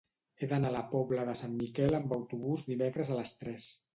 He d'anar a la Pobla de Sant Miquel amb autobús dimecres a les tres.